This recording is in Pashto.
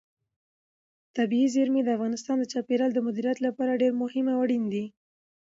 طبیعي زیرمې د افغانستان د چاپیریال د مدیریت لپاره ډېر مهم او اړین دي.